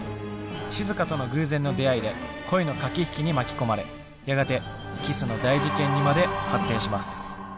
しずかとの偶然の出会いで恋の駆け引きに巻き込まれやがてキスの大事件にまで発展します。